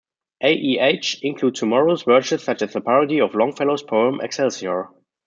"A. E. H." includes humorous verse such as a parody of Longfellow's poem "Excelsior".